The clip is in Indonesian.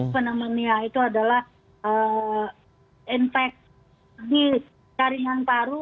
pneumonia itu adalah infeksi jaringan paru